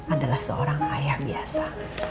adalah seorang ayah biasa